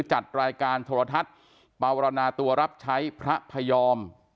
จัดรายการโทรทัศน์ปาวรณาตัวรับใช้พระพยอม